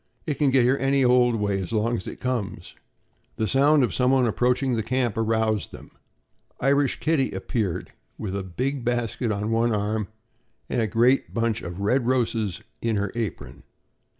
It can get here any old way, as long as it comes." The sound of someone approaching the camp aroused them. Irish Kitty appeared, with a big basket on one arm and a great bunch of red roses in her apron.